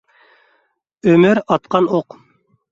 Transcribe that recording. ئۆمۈر ئاتقان ئوق.